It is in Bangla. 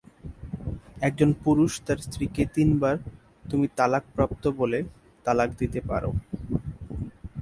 একজন পুরুষ তার স্ত্রীকে তিনবার "তুমি তালাকপ্রাপ্ত" বলে তালাক দিতে পারো।